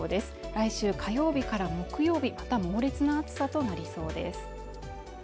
来週火曜日から木曜日また猛烈な暑さとなりそうです